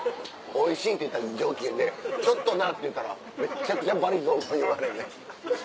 「おいしい」って言うたら上機嫌で「ちょっとな」って言ったらめちゃくちゃ罵詈雑言言われんねん。